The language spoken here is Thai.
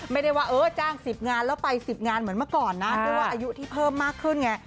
ไม่ได้ว่าเออจ้าง๑๐งานแล้วไป๑๐งานเหมือนเมื่อก่อนนะด้วยว่าอายุที่เพิ่มมากขึ้นไง